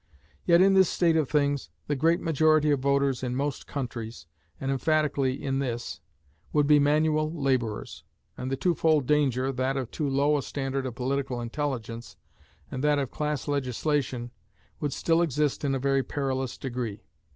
Yet in this state of things, the great majority of voters in most countries, and emphatically in this, would be manual laborers, and the twofold danger, that of too low a standard of political intelligence, and that of class legislation, would still exist in a very perilous degree.